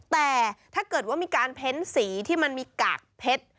แต่ถ้าเกิดว่ามีการเพ้นสีที่มันมีกากเพชร